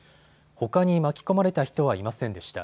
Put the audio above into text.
ほかに巻き込まれた人はいませんでした。